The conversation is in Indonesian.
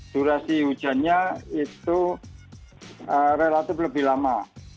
durasi hujannya itu relatif lebih lama